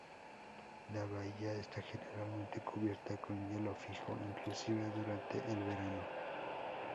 La bahía está generalmente cubierta con hielo fijo, inclusive durante el verano.